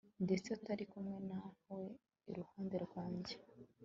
ndetse utari kumwe nawe iruhande rwanjye